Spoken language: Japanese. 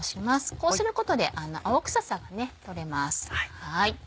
こうすることで青臭さが取れます。